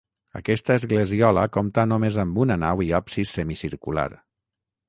Aquesta esglesiola compta només amb una nau i absis semicircular.